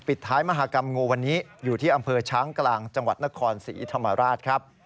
ปิดท้ายมหากรรมงูวันนี้อยู่ที่อำเภอช้างกลางจังหวัดนครศรีธรรมราชครับ